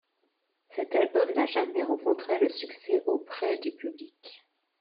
Cet album n'a jamais rencontré le succès auprès du public.